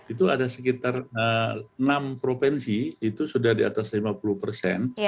itu ada sekitar enam provinsi itu sudah di atas lima puluh persen